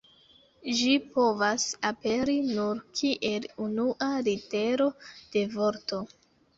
Ĝi povas aperi nur kiel unua litero de vorto.